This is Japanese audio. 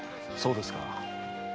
そうですか。